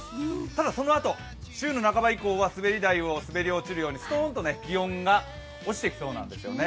ただ、そのあと週の半ば以降は滑り台を滑り落ちるようにストンと気温が落ちていきそうなんですよね。